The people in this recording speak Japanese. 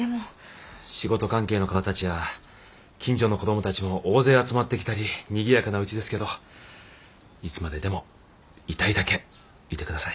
仕事関係の方たちや近所の子どもたちも大勢集まってきたりにぎやかなうちですけどいつまででもいたいだけいて下さい。